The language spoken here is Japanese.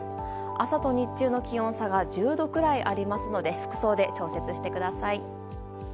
朝と日中の気温差が１０度くらいありますので服装で調節してください。